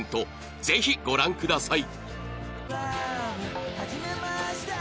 ぜひご覧ください